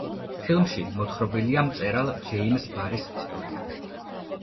ფილმში მოთხრობილია მწერალ ჯეიმზ ბარის ისტორია.